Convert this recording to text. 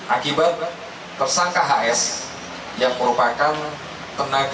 akibat tersangka hs yang merupakan tenaga